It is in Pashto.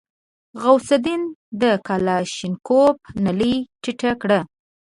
غوث الدين د کلاشينکوف نلۍ ټيټه کړه.